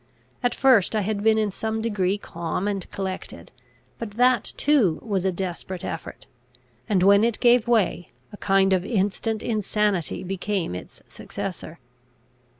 At first I had been in some degree calm and collected, but that too was a desperate effort; and when it gave way, a kind of instant insanity became its successor.